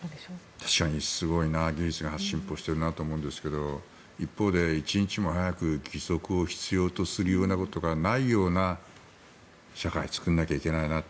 確かに技術が進歩しているなと思うんですが一方で、一日も早く義足を必要とするようなことがないような社会を作らなきゃいけないなって。